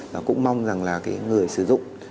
và cũng mong rằng là cái người sử dụng